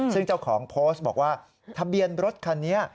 ซึ่งเจ้าของโพสต์บอกว่าทะเบียนรถคันนี้